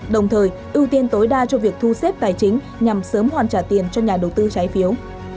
đồng thời ưu tiên tối đa cho việc thu xếp tài chính nhằm sớm hoàn trả tiền cho nhà đầu tư trái phiếu